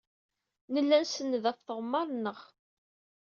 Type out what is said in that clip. Nella nsenned ɣef tɣemmar-nneɣ.